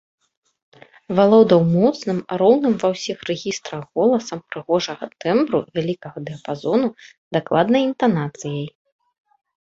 Валодаў моцным, роўным ва ўсіх рэгістрах голасам прыгожага тэмбру вялікага дыяпазону, дакладнай інтанацыяй.